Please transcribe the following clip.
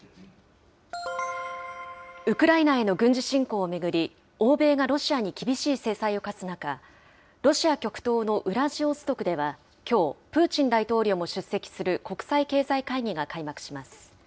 ウクライナへの軍事侵攻を巡り、欧米がロシアに厳しい制裁を科す中、ロシア極東のウラジオストクでは、きょう、プーチン大統領も出席する国際経済会議が開幕します。